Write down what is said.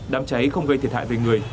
đám cháy không gây thiệt hại về người